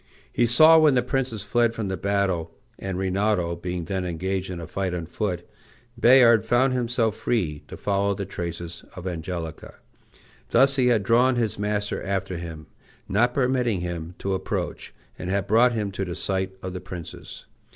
He saw when the princess fled from the battle, and Rinaldo being then engaged in a fight on foot, Bayard found himself free to follow the traces of Angelica. Thus he had drawn his master after him, not permitting him to approach, and had brought him to the sight of the princess.